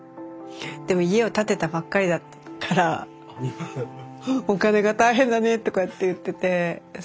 でも家を建てたばっかりだからお金が大変だねとかって言ってて。